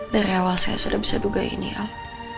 dari awal saya sudah bisa duga ini al